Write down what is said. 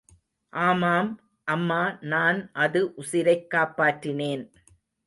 ஆமாம், அம்மா நான் அது உசிரைக் காப்பாற்றினேன்.